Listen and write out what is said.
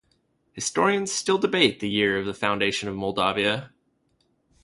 Historians still debate the year of the foundation of Moldavia.